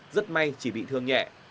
rất may chỉ bị thương nhẹ